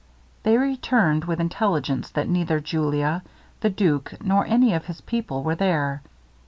They returned with intelligence that neither Julia, the duke, nor any of his people were there.